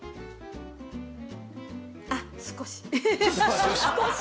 あっ、少し。